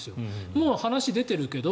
もう話が出ているけど